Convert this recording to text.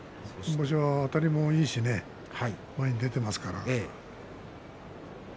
今場所はあたりもいいし前に出ていますから。